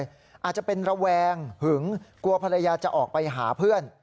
อาจจะเป็นระแวงหึงกลัวภรรยาจะออกไปหาเพื่อน